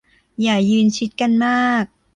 อย่ายืนชิดกันมาก